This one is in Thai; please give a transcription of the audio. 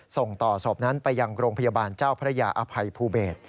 ส่งต่อศพนั้นไปยังโรงพยาบาลเจ้าพระยาอภัยภูเบศ